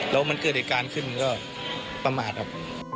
แล้วมันเกิดเหตุการณ์ขึ้นก็ประมาทครับ